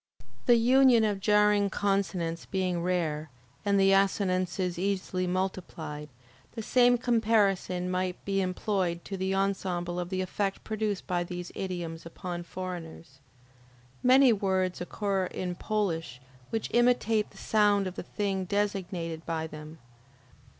The union of jarring consonants being rare, and the assonances easily multiplied, the same comparison might be employed to the ensemble of the effect produced by these idioms upon foreigners. Many words occur in Polish which imitate the sound of the thing designated by them.